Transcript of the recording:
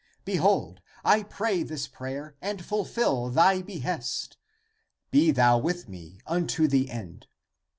Behold, I pray this prayer and fulfill thy be hest. Be thou with me unto the end.